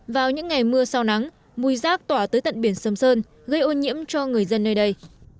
vào những ngày mưa sau nắng mùi rác tỏa tới tận biển sầm sơn gây ô nhiễm cho người dân nơi đây